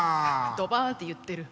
ドバって言ってる。